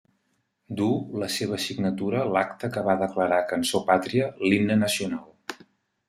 Duu la seva signatura l'acta que va declarar cançó pàtria l'Himne Nacional.